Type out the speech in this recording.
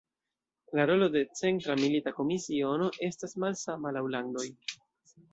La rolo de Centra Milita Komisiono estas malsama laŭ landoj.